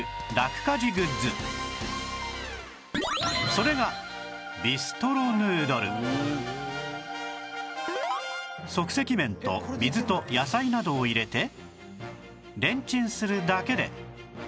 それが即席麺と水と野菜などを入れてレンチンするだけで